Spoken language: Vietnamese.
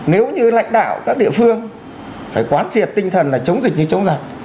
nếu như lãnh đạo các địa phương phải quán triệt tinh thần là chống dịch như chống giặc